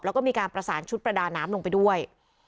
แล้วก็มีการประสานชุดประดาน้ำลงไปด้วย